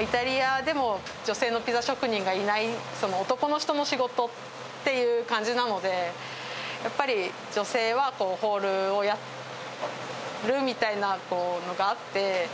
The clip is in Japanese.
イタリアでも女性のピザ職人がいない、男の人の仕事っていう感じなので、やっぱり女性はホールをやるみたいなのがあって。